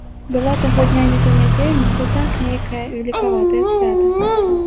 Была таго дня не то нядзеля, не то так нейкае велікаватае свята.